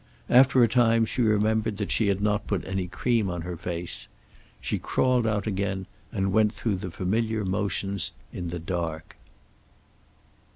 After a time she remembered that she had not put any cream on her face. She crawled out again and went through the familiar motions in the dark.